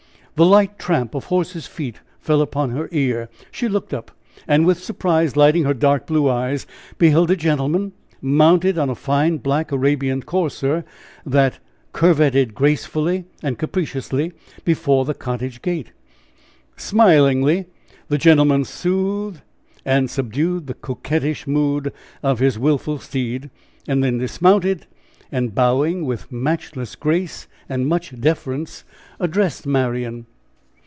The light tramp of horse's feet fell upon her ear. She looked up, and with surprise lighting her dark blue eyes, beheld a gentleman mounted on a fine black Arabian courser, that curveted gracefully and capriciously before the cottage gate. Smilingly the gentleman soothed and subdued the coquettish mood of his willful steed, and then dismounted and bowing with matchless grace and much deference, addressed Marian.